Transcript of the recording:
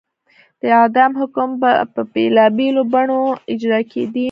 د اعدام حکم به په بېلابېلو بڼو اجرا کېده.